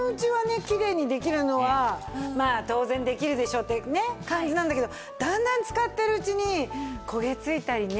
きれいにできるのはまあ当然できるでしょってね感じなんだけどだんだん使ってるうちに焦げついたりね。